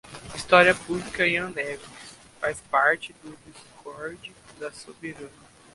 História Pública, Ian Neves, faz parte do discord da Soberana